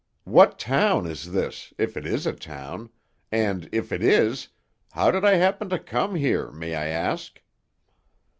What town is this, if it is a town, and if it is, how did I happen to come here, may I ask?"